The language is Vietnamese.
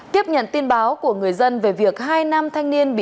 tiếp nhận tin báo của người dân về việc hai nam thanh niên